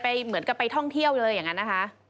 เหมือนกับไปท่องเที่ยวเลยอย่างนั้นนะคะ